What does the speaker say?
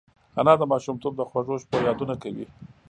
انا د ماشومتوب د خوږو شپو یادونه کوي